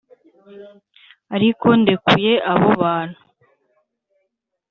ariko ndekuye abo bantu